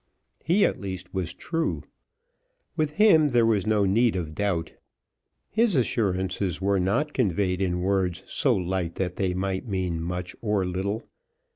He at least was true. With him there was no need of doubt. His assurances were not conveyed in words so light that they might mean much or little.